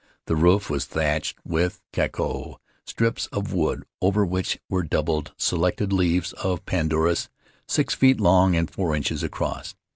The roof was thajtched with JcaJcao — strips of wood over which were doubled selected leaves of pandanus, six feet long and four inches across.